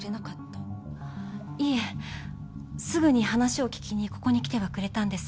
いえすぐに話を聞きにここに来てはくれたんです。